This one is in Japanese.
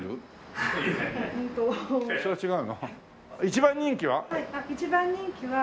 一番人気は？